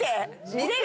見れる？